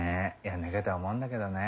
やんなきゃとは思うんだけどね